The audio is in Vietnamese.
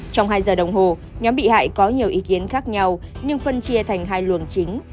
trong hai giờ đồng hồ nhóm bị hại có nhiều ý kiến khác nhau nhưng phân chia thành hai luồng chính